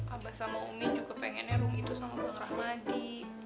abah sama umi juga pengennya rom itu sama bang rahmadi